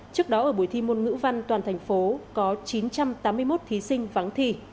trước đó ở buổi thi môn ngữ văn toàn thành phố có chín trăm tám mươi một thí sinh vắng thi